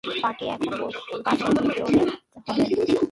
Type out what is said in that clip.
Party এখন বাসের ভিতরে হবে।